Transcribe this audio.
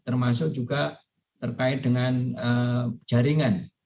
termasuk juga terkait dengan jaringan